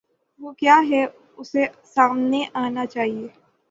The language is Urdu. وہ کیا ہے، اسے سامنے آنا چاہیے۔